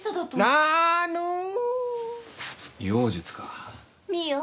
妖術か。